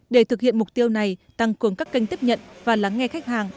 để thực hiện mục tiêu này tăng cường các kênh tiếp nhận và lắng nghe khách hàng